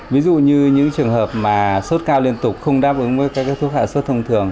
ví dụ như những trường hợp mà sốt cao liên tục không đáp ứng với các thuốc hạ sốt thông thường